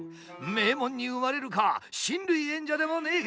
名門に生まれるか親類縁者でもねえ